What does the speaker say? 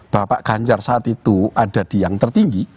bapak ganjar saat itu ada di yang tertinggi